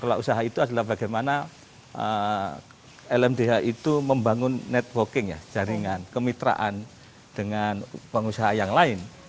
kelola usaha itu adalah bagaimana lmdh itu membangun networking ya jaringan kemitraan dengan pengusaha yang lain